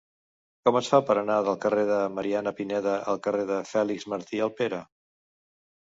Com es fa per anar del carrer de Mariana Pineda al carrer de Fèlix Martí Alpera?